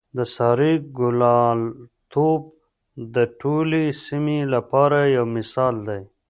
د سارې ګلالتوب د ټولې سیمې لپاره یو مثال دی.